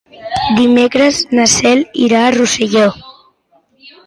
Dimecres na Cel irà a Rosselló.